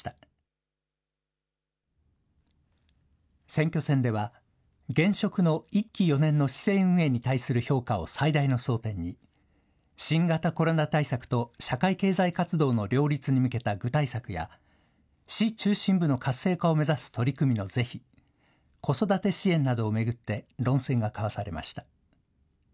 選挙戦では、現職の１期４年の市政運営に対する評価を最大の争点に、新型コロナ対策と社会経済活動の両立に向けた具体策や、市中心部の活性化を目指す取り組みの是非、子育て支援などを巡って、論戦が交わされました。